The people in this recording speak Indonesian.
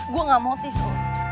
gue gak mau tisu